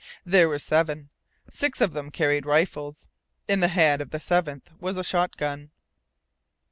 There were seven. Six of them carried rifles. In the hands of the seventh was a shotgun.